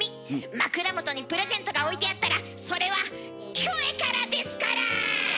枕元にプレゼントが置いてあったらそれはキョエからですから！